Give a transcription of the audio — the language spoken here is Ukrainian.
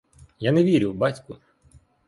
Я не вірю, батьку.